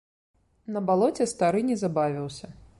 На балоце стары не забавіўся.